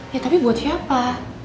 ya tapi buat siapa